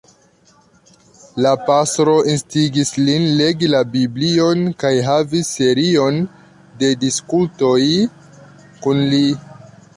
La pastro instigis lin legi la Biblion kaj havis serion de diskutoj kun li.